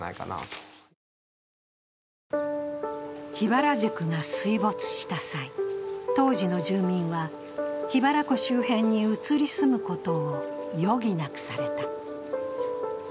桧原宿が水没した際当時の住民は桧原湖周辺に移り住むことを余儀なくされた。